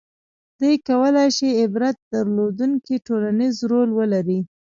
• دې کولای شي عبرت درلودونکی ټولنیز رول ولري.